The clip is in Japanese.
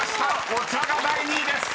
「お茶」が第２位です］